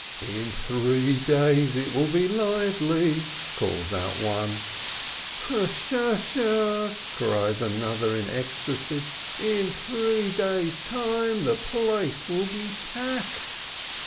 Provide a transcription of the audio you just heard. "In three days it will be lively !" calls out one. "Pshshsh," cries another in ecstasy, "in three days' time the place will be packed